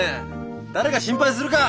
誰が心配するか！